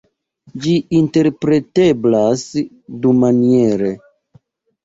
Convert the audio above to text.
Ĝi interpreteblas dumaniere.